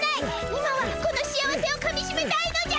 今はこの幸せをかみしめたいのじゃ！